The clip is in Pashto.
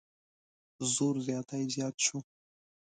زور زیاتی زیات شو.